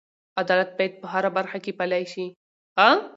عدالت باید په هره برخه کې پلی شي.